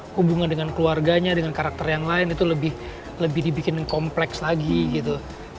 hubungan dengan keluarganya dengan karakter yang lain itu lebih dibikin kompleks lagi gitu